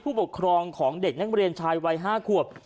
ผู้ปกครองของเด็กนักเรียนชายวัย๕ขวบ